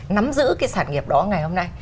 nắm giữ cái sản nghiệp đó ngày hôm nay